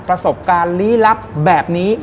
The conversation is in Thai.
ประสบการณ์ลี้ลับแบบนี้